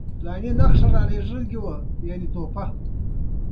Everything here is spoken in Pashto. استاد باید څنګ ته ولاړ وای او خبرې یې کړې وای